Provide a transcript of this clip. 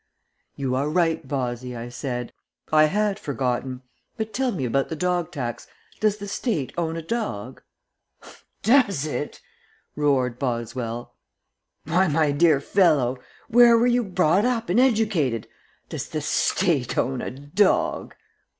"You are right, Bozzy," I said. "I had forgotten. But tell me about the dog tax. Does the State own a dog?" "Does it?" roared Boswell. "Why, my dear fellow, where were you brought up and educated. Does the State own a dog!"